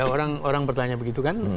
orang bertanya begitu kan